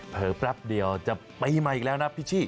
เผลอแป๊บเดียวจะปีใหม่อีกแล้วนะพี่ชิ